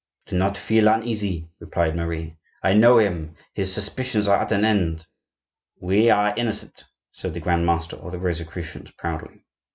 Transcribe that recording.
"Do not feel uneasy," replied Marie. "I know him; his suspicions are at an end." "We are innocent," said the grand master of the Rosicrucians, proudly.